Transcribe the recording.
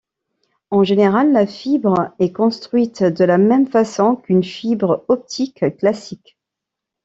En général, la fibre est construite de la même façon qu'une fibre optique classique.